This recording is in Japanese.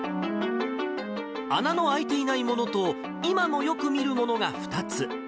穴の開いていないものと、今もよく見るものが２つ。